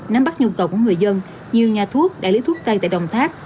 nắm bắt nhu cầu của người dân nhiều nhà thuốc đại lý thuốc tây tại đồng tháp